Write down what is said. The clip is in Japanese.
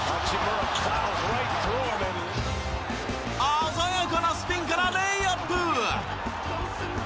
鮮やかなスピンからレイアップ！